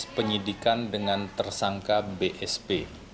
penyidikan dengan tersangka bsp